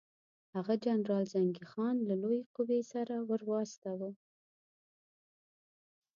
هغه جنرال زنګي خان له لویې قوې سره ورواستاوه.